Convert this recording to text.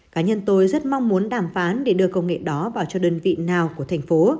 cá nhân tôi rất mong muốn đàm phán để đưa công nghệ đó vào cho đơn vị nào của thành phố